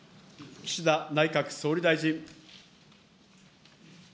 岸田内閣総理大臣。